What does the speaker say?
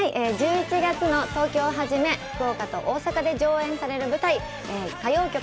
１１月の東京を初め福岡と大阪で上演される舞台「歌妖曲